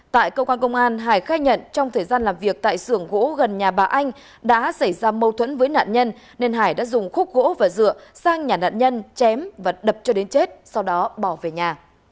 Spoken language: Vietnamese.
tại cơ quan công an hải khai nhận trong thời gian làm việc tại sưởng gỗ gần nhà bà anh đã xảy ra mâu thuẫn với nạn nhân nên hải đã dùng khúc gỗ và dựa sang nhà nạn nhân chém và đập cho đến chết sau đó bỏ về nhà